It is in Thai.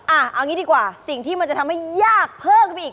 เอางี้ดีกว่าสิ่งที่มันจะทำให้ยากเพิ่มไปอีก